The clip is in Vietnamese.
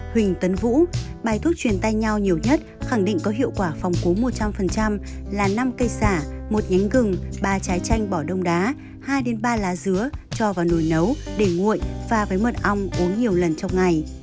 huỳnh tấn vũ bài thuốc truyền tay nhau nhiều nhất khẳng định có hiệu quả phòng cú một trăm linh là năm cây xả một nhánh gừng ba trái chanh bỏ đông đá hai ba lá dứa cho vào nồi nấu để nguội pha với mật ong uống nhiều lần trong ngày